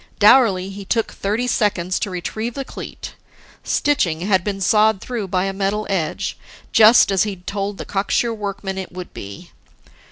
Dourly, he took thirty seconds to retrieve the cleat; stitching had been sawed through by a metal edge just as he'd told the cocksure workman it would be.